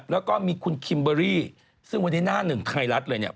แล้วก็มีคุณคิมเบอรี่ซึ่งวันนี้หน้าหนึ่งไทยรัฐเลยเนี่ย